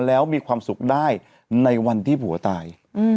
แล้วมีความสุขได้ในวันที่ผัวตาย